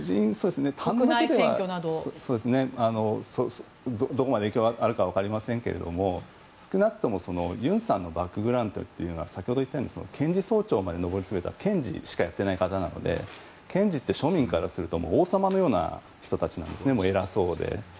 単独では、どこまで影響があるか分かりませんが少なくとも尹さんのバックグラウンドというのは先ほど言ったように検事総長まで上り詰めて検事しかやっていない方なので検事って庶民からすると王様のような人たちなんですね。